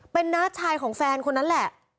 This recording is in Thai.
เป็นน้าชายของแฟนคนนั้นแหละ